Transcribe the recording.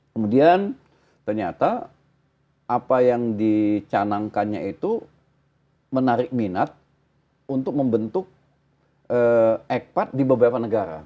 kemudian ternyata apa yang dicanangkannya itu menarik minat untuk membentuk ekpat di beberapa negara